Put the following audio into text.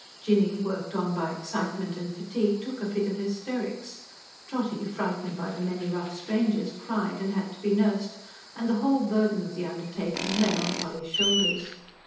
Jinny, worked on by excitement and fatigue, took a fit of hysterics; Trotty, frightened by the many rough strangers, cried and had to be nursed; and the whole burden of the undertaking lay on Polly's shoulders.